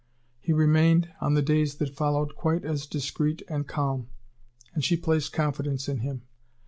He remained, on the days that followed, quite as discreet and calm; and she placed confidence in him.